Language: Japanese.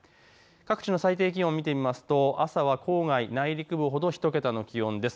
各地の最低気温を見てみますと朝は郊外、内陸部ほど１桁の気温です。